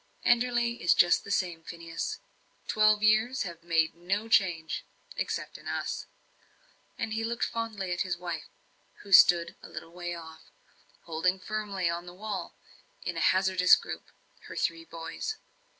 "Enderley is just the same, Phineas. Twelve years have made no change except in us." And he looked fondly at his wife, who stood a little way off, holding firmly on the wall, in a hazardous group, her three boys.